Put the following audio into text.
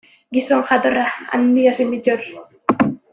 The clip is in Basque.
Gizon jatorra, handia zen Bittor.